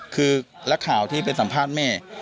คือนักข่าวที่ไปสัมภาษณ์แม่